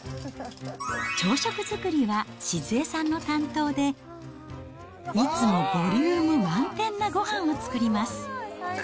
朝食作りは静恵さんの担当で、いつもボリューム満点なごはんを作ります。